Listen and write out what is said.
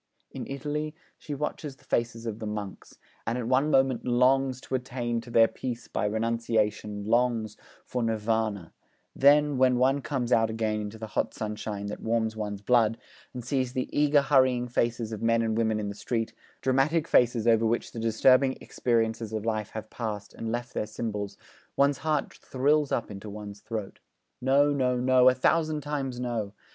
In Italy she watches the faces of the monks, and at one moment longs to attain to their peace by renunciation, longs for Nirvana; 'then, when one comes out again into the hot sunshine that warms one's blood, and sees the eager hurrying faces of men and women in the street, dramatic faces over which the disturbing experiences of life have passed and left their symbols, one's heart thrills up into one's throat. No, no, no, a thousand times no!